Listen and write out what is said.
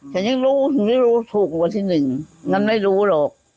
ฉันยังรู้ฉันไม่รู้ถูกวันที่๑ฉันไม่รู้หรอก